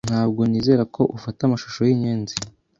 Ntabwo nizera ko ufata amashusho yinyenzi.